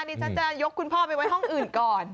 ดิฉันจะยกคุณพ่อไปไว้ห้องอื่นก่อน